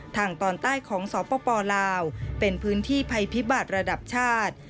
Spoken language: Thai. ทางตอนใต้ของสปลาวเป็นพื้นที่ภัยพิบัตรระดับชาติ